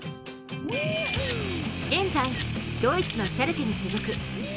現在、ドイツのシャルケに所属。